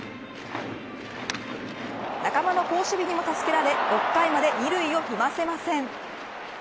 仲間の好守備にも助けられ６回まで二塁を踏ませません。